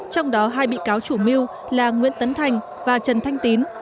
trong đó hai bị cáo chủ mưu là nguyễn tấn thành và trần thanh tín